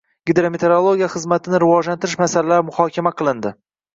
Gidrometeorologiya xizmatini rivojlantirish masalalari muhokama qilindi